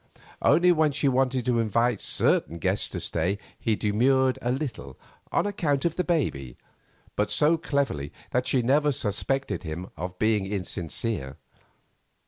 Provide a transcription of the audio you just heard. Only when she wanted to invite certain guests to stay, he demurred a little, on account of the baby, but so cleverly that she never suspected him of being insincere.